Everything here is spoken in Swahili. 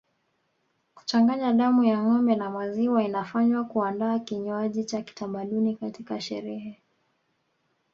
Kuchanganya damu ya ngombe na maziwa inafanywa kuandaa kinywaji cha kitamaduni katika sherehe